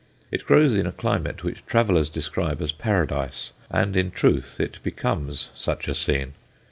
It grows in a climate which travellers describe as Paradise, and, in truth, it becomes such a scene.